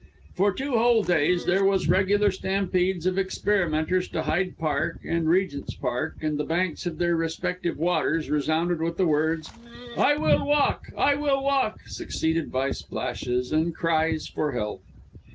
For two whole days there was regular stampedes of experimenters to Hyde Park and Regent's Park, and the banks of their respective waters resounded with the words, "I will walk! I will walk!" succeeded by splashes and cries for help.